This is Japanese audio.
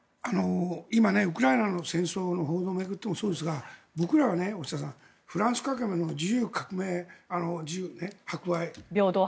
今、ウクライナの戦争の報道を巡ってもそうですが僕らはフランス革命の自由、平等、博愛。